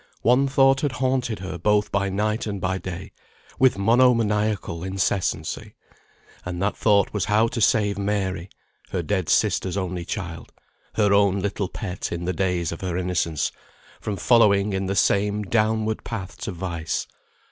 One thought had haunted her both by night and by day, with monomaniacal incessancy; and that thought was how to save Mary (her dead sister's only child, her own little pet in the days of her innocence) from following in the same downward path to vice.